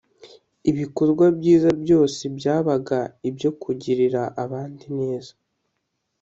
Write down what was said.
. Ibikorwa byiza byose byabaga ibyo kugirira abandi neza